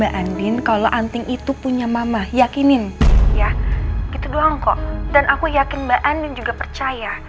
yeras ikill falar anting itu punya mama can you believe it